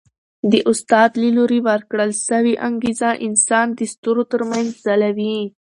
د استاد له لوري ورکړل سوی انګېزه انسان د ستورو تر منځ ځلوي.